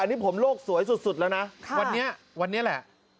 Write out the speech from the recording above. อันนี้ผมโลกสวยสุดแล้วนะวันนี้วันนี้แหละ